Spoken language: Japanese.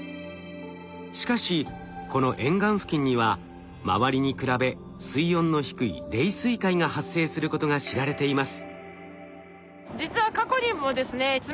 しかしこの沿岸付近には周りに比べ水温の低い冷水塊が発生することが知られています。